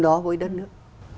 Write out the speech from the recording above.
đó với đất nước